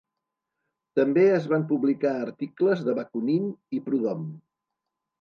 També es van publicar articles de Bakunin i Proudhon.